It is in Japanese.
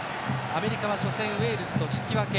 アメリカは初戦、ウェールズと引き分け。